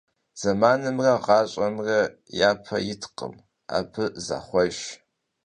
Зэманымрэ гъащӀэмрэ я пӀэ иткъым, абы захъуэж.